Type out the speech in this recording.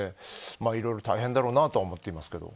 いろいろ大変だろうなとは思ってますけど。